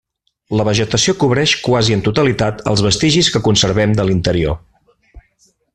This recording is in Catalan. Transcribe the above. La vegetació cobreix quasi en totalitat els vestigis que conservem de l'interior.